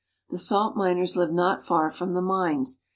The salt miners live not far from the mines.